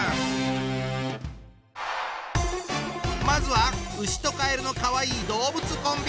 まずはうしとカエルのかわいい動物コンビ！